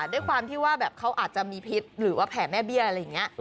ด้วยความที่ว่าแบบเขาอาจจะมีพิษหรือว่าแผ่แม่เบี้ยอะไรอย่างนี้